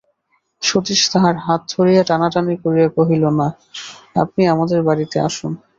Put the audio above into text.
সতীশ তাহার হাত ধরিয়া টানাটানি করিয়া কহিল, না, আপনি আমাদের বাড়িতে আসুন।